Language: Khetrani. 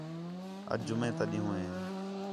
اَڄ جُمعہ تا ݙِین٘ہوں ہِے